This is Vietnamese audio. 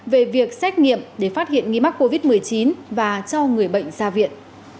về việc xét nghiệm để phát hiện nghi mắc covid một mươi chín và cho người bệnh ra viện